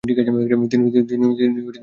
তিনি শিরাজ শহরে যান।